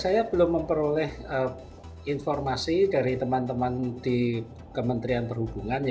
saya belum memperoleh informasi dari teman teman di kementerian perhubungan